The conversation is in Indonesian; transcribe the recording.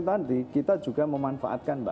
nanti kita juga memanfaatkan